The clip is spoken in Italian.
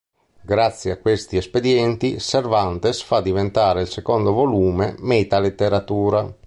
Grazie a questi espedienti, Cervantes fa diventare il secondo volume meta-letteratura.